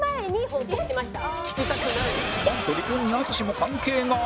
なんと離婚に淳も関係が？